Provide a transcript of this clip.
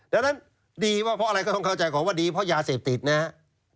ดังนั้นดีว่าเพราะอะไรก็ต้องเข้าใจก่อนว่าดีเพราะยาเสพติดนะครับ